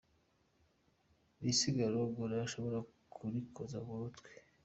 N’isigara ngo ntashobora kurikoza ku munwa.